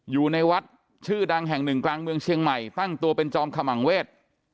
อยู่ในวัดชื่อดังแห่งหนึ่งกลางเมืองเชียงใหม่ตั้งตัวเป็นจอมขมังเวศ